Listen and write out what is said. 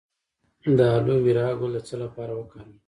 د الوویرا ګل د څه لپاره وکاروم؟